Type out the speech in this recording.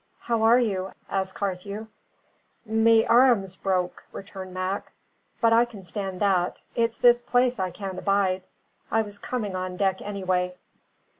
"How are you?" asked Carthew. "Me arrum's broke," returned Mac; "but I can stand that. It's this place I can't abide. I was coming on deck anyway."